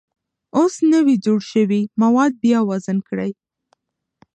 اوس نوي جوړ شوي مواد بیا وزن کړئ.